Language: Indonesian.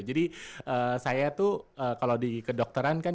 jadi saya tuh kalau di kedokteran kan